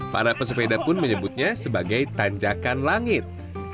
para pesepeda pun menyebutnya sebagai tanjakan langit